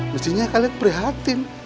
mestinya kalian prihatin